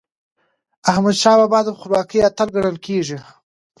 احمدشاه بابا د خپلواکی اتل ګڼل کېږي.